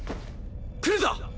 来るぞ！